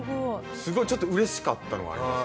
すごいちょっと嬉しかったのはあります。